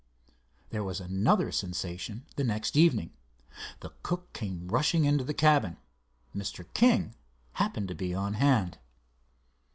There was another sensation the next evening. The cook came rushing into the cabin. Mr. King happened to be on hand.